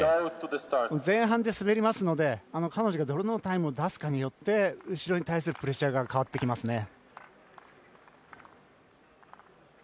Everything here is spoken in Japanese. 前半で滑りますので彼女がどんなタイムを出すかによって後ろに対するプレッシャーが変わります。